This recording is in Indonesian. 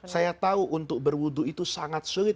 saya tahu untuk berwudhu itu sangat sulit